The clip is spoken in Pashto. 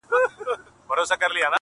د وینو په دریاب کي یو د بل وینو ته تږي؛